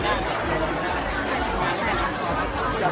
การรับความรักมันเป็นอย่างไร